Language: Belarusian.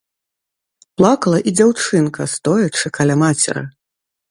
Плакала і дзяўчынка, стоячы каля мацеры.